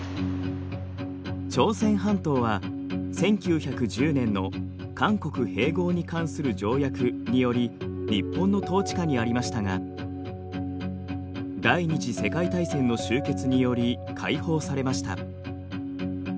朝鮮半島は１９１０年の韓国併合に関する条約により日本の統治下にありましたが第２次世界大戦の終結により解放されました。